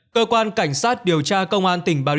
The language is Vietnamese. cơ quan cảnh sát điều tra công an tỉnh bà rịa